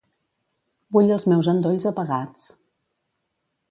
Vull els meus endolls apagats.